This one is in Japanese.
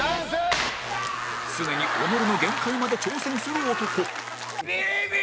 常に己の限界まで挑戦する男